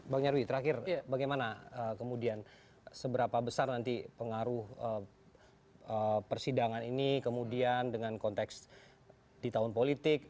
bang nyarwi terakhir bagaimana kemudian seberapa besar nanti pengaruh persidangan ini kemudian dengan konteks di tahun politik